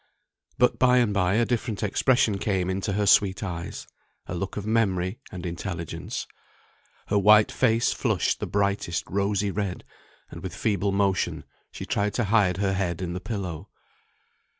But by and by a different expression came into her sweet eyes; a look of memory and intelligence; her white face flushed the brightest rosy red, and with feeble motion she tried to hide her head in the pillow.